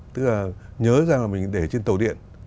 tức là nhớ rằng là mình để trên tàu điện